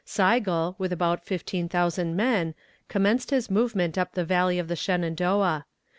Sigel, with about fifteen thousand men, commenced his movement up the Valley of the Shenandoah.